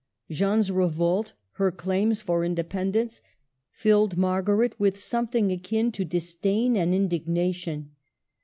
Jeanne's revolt, her claims for inde pendence, filled Margaret with something akin to disdain and indignation.